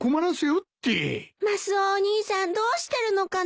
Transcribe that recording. マスオお兄さんどうしてるのかな？